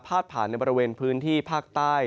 ผ่านในบริเวณพื้นที่ภาคใต้